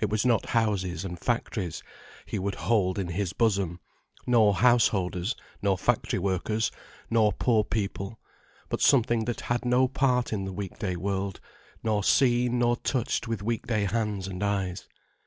It was not houses and factories He would hold in His bosom: nor householders nor factory workers nor poor people: but something that had no part in the weekday world, nor seen nor touched with weekday hands and eyes.